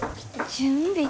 準備？